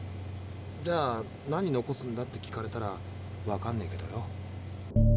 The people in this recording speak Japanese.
じゃあ「何残すんだ」って聞かれたらわかんねえけどよ。